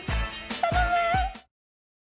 頼む！